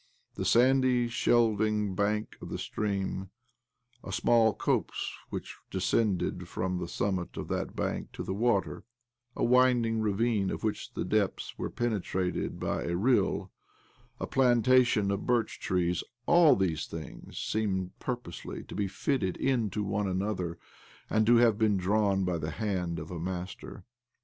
The sandy, shelving bank of the stream, a small copse which descended from the summit of that bank to the water, a winding ravine of which the depths were penetrated by a rill, a plan tation of birch trees— all these things seemed purposely to be fitted into one another, and to have been drawn by the hand of a master.